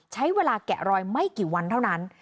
ใช้เวลาแกะรอยไม่กี่วันเท่านั้น